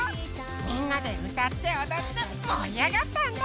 みんなでうたっておどってもりあがったんだ。